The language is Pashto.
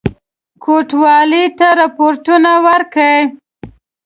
کوټوالی ته رپوټونه ورکړي.